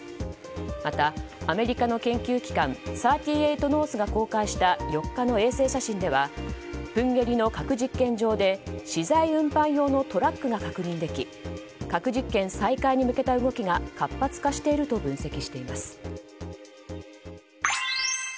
また、アメリカの研究機関３８ノースが公開した４日の衛星写真ではプンゲリの核実験場で資材運搬用のトラックが確認でき核実験再開に向けた動きが活発化していると分析しています。